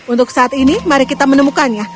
untuk saat ini mari kita menemukannya